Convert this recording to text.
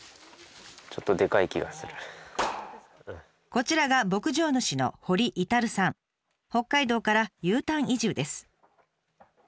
こちらが牧場主の北海道からＵターン移住です。